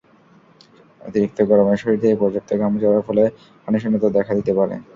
অতিরিক্ত গরমে শরীর থেকে পর্যাপ্ত ঘাম ঝরার ফলে পানিশূন্যতা দেখা দিতে পারে।